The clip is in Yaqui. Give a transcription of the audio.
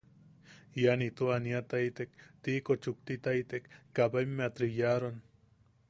Ian ito aniataitek, tiiko chuktitaitek, kabaʼimmea tritriyaroan.